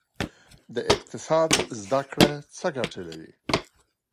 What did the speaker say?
د اقتصاد زده کړه څه ګټه لري؟